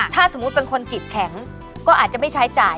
ถ้าสมมุติเป็นคนจิตแข็งก็อาจจะไม่ใช้จ่าย